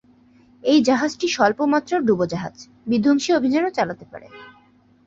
এই জাহাজটি স্বল্প মাত্রার ডুবোজাহাজ বিধ্বংসী অভিযান ও চালাতে পারে।